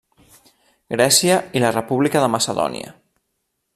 Grècia i la República de Macedònia.